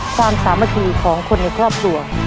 ความสามารถของคนในครอบครัว